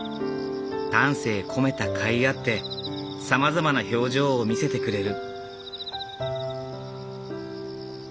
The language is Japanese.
丹精込めたかいあってさまざまな表情を見せてくれる。